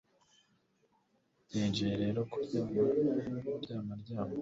Yinjiye rero kuryama aryama